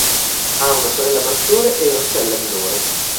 Ha una sorella maggiore e una sorella minore.